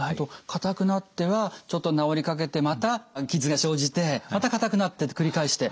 硬くなってはちょっと治りかけてまた傷が生じてまた硬くなってって繰り返して。